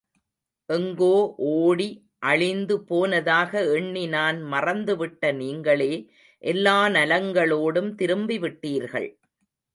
எங்கோ ஓடி அழிந்து போனதாக எண்ணி நான் மறந்துவிட்ட நீங்களே, எல்லா நலங்களோடும் திரும்பி விட்டீர்கள்.